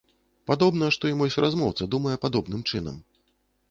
Падобна, што і мой суразмоўца думае падобным чынам.